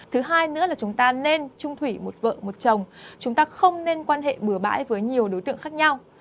thứ hai nữa là chúng ta nên trung thủy một vợ một chồng chúng ta không nên quan hệ bừa bãi với nhiều đối tượng khác nhau